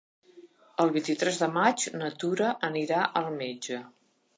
El vint-i-tres de maig na Tura anirà al metge.